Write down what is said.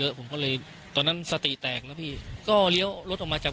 แล้วก็ได้คุยกับนายวิรพันธ์สามีของผู้ตายที่ว่าโดนกระสุนเฉียวริมฝีปากไปนะคะ